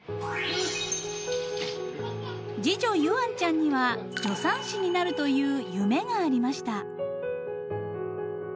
［次女柚杏ちゃんには助産師になるという夢がありました］